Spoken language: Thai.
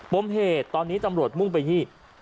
มเหตุตอนนี้ตำรวจมุ่งไปที่